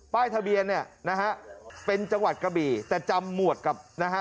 ทะเบียนเนี่ยนะฮะเป็นจังหวัดกระบี่แต่จำหมวดกับนะฮะ